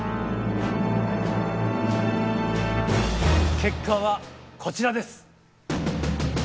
結果はこちらです。